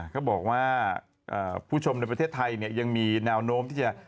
เขาบอกว่าผู้ชมในประเทศไทยยังมีแนวโน้มที่จะ